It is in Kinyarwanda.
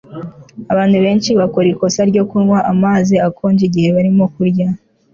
abantu benshi bakora ikosa ryo kunywa amazi akonje igihe barimo kurya